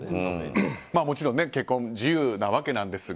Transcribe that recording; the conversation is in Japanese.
もちろん結婚は自由なわけなんですが。